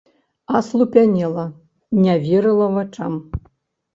Аслупянела, не верыла вачам.